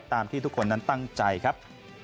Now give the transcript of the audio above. ตามที่ทุกคนนี่ตั้งใจครับ